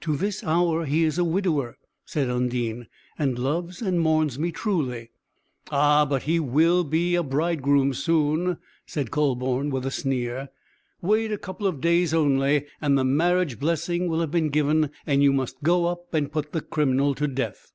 "To this hour he is a widower," said Undine, "and loves and mourns me truly." "Ah, but he will be bridegroom soon," said Kühleborn with a sneer; "wait a couple of days only; and the marriage blessing will have been given, and you must go up and put the criminal to death."